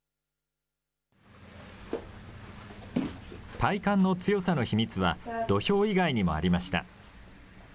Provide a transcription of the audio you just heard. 体幹の強さの秘密は、土俵以外にもありました。